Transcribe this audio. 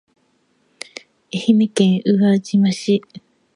愛媛県宇和島市